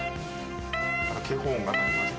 警報音が鳴りました。